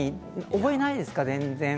覚えないですか？